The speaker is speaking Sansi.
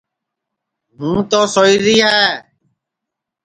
ہوں تو سوئی ری ہے